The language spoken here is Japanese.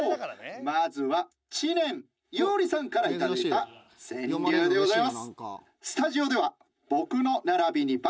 まずは知念侑李さんから頂いた川柳でございます。